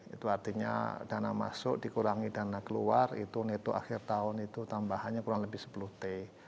itu artinya dana masuk dikurangi dana keluar itu neto akhir tahun itu tambahannya kurang lebih sepuluh t